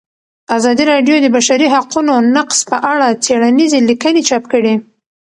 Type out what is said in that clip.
ازادي راډیو د د بشري حقونو نقض په اړه څېړنیزې لیکنې چاپ کړي.